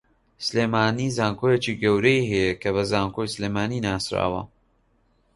سلێمانی زانکۆیەکی گەورەی ھەیە کە بە زانکۆی سلێمانی ناسراوە